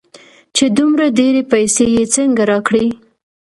چې دومره ډېرې پيسې يې څنگه راکړې.